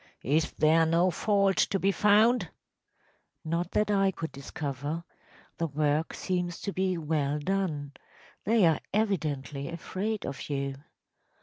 ‚ÄĚ “Is there no fault to be found?‚ÄĚ “Not that I could discover. The work seems to be well done. They are evidently afraid of you.